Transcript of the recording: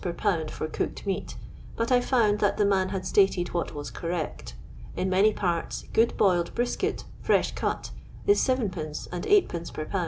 per pound for cooked flnat, but I found that the man had stated what was correct. In many parts good boiled " brisket," fresh cut, is 7d. and Sd. per lb.